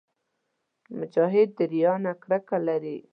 مجاهد د ریا نه کرکه لري.